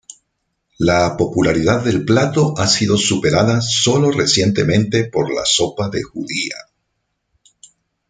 La popularidad del plato ha sido superada solo recientemente por la sopa de judía.